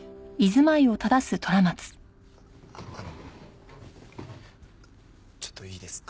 あのちょっといいですか？